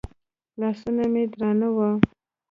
لاسونه مې درانه وو.